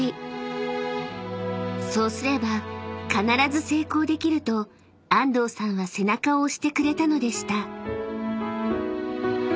［そうすれば必ず成功できると安藤さんは背中を押してくれたのでした］